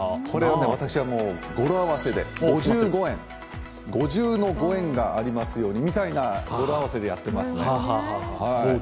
これはね、私は語呂合わせで５５円五重のご縁がありますようにみたいな語呂合わせでやってますね。